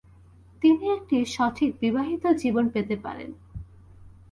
তিনি একটি সঠিক বিবাহিত জীবন পেতে পারেন।